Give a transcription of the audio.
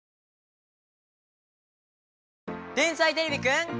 天才てれびくん！